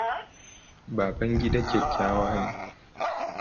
Babangida kyakkyawa ne.